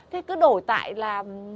thế cứ đổi tại là